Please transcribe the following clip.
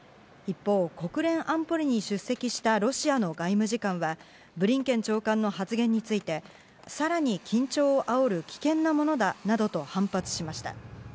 一方、国連安保理に出席したロシアの外務次官はブリンケン長官の発言についてさらに緊張をあおる危険なものだなどと反発しました。